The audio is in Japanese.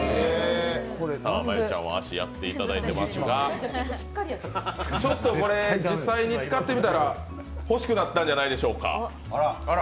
真悠ちゃんは足をやっていただいていますが、ちょっと実際に使ってみたら欲しくなったんじゃないでしょうか。